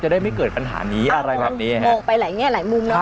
ได้ไม่เกิดปัญหานี้อะไรแบบนี้ฮะมองไปหลายแง่หลายมุมเนอ